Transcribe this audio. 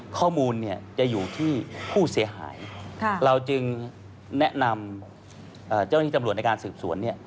ข้อมูลเนี่ยจะอยู่ที่ผู้เสียหายเราจึงแนะนำเจ้าหน้าที่ตำรวจในการสืบสวนเนี่ย